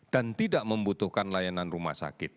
tidak membutuhkan layanan rumah sakit